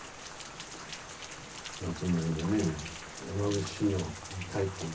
夏の間ね山伏修行体験。